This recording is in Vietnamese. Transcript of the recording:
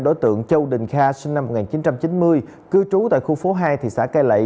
đối tượng châu đình kha sinh năm một nghìn chín trăm chín mươi cư trú tại khu phố hai thị xã cai lậy